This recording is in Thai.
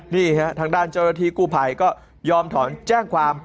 นี่ฮะทางด้านเจ้าหน้าที่กู้ภัยก็ยอมถอนแจ้งความ